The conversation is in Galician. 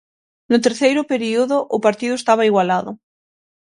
No terceiro período o partido estaba igualado.